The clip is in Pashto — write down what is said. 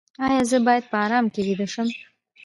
ایا زه باید په ارام کې ویده شم؟